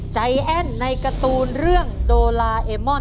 ใจแอ้นในการ์ตูนเรื่องโดลาเอมอน